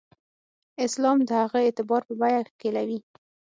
اسلام د هغه اعتبار په بیه ښکېلوي.